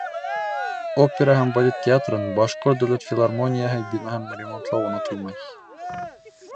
Опера һәм балет театрын, Башҡорт дәүләт филармонияһы бинаһын ремонтлау онотолмай.